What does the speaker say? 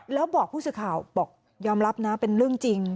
แล้วบอกผู้สื่อข่าวบอกยอมรับนะเป็นเรื่องจริง